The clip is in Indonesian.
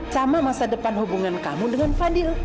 sama masa depan hubungan kamu dengan fadil